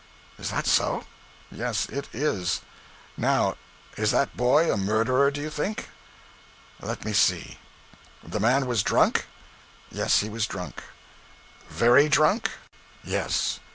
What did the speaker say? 'Is that so?' 'Yes, it is. Now, is that boy a murderer, do you think?' 'Let me see. The man was drunk?' 'Yes, he was drunk.' 'Very drunk?' 'Yes.'